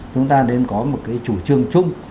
chúng ta nên có một cái chủ trương chung